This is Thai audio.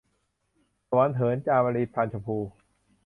สวรรค์เหิน - จามรี พรรณชมพู